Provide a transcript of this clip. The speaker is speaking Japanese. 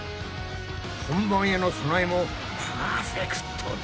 本番への備えもパーフェクトだ！